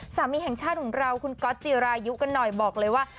สามีแห่งชาติของเราคุณก๊อตจิรายุกันหน่อยบอกเลยว่า